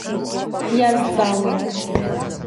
Ҳиазҵаауеит.